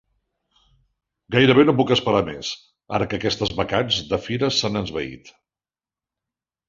Gairebé no puc esperar més, ara que aquestes bacants de fira s'han esvaït.